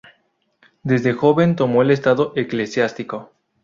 Desde joven tomó el estado eclesiástico.